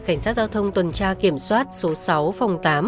cảnh sát giao thông tuần tra kiểm soát số sáu phòng tám